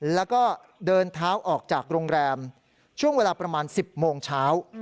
แล้วก็เดินเท้าออกจากโรงแรมช่วงเวลาประมาณ๑๐โมงเช้า